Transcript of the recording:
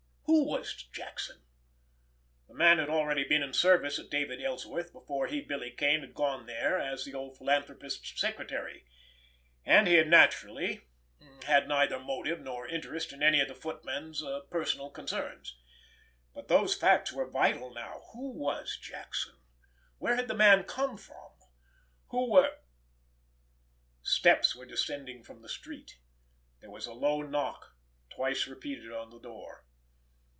Who was Jackson? The man had already been in service at David Ellsworth's before he, Billy Kane, had gone there as the old philanthropist's secretary, and he had naturally had neither motive nor interest then in any of the footman's personal concerns. But those facts were vital now. Who was Jackson? Where had the man come from? Who were—— Footsteps were descending from the street. There was a low knock, twice repeated on the door.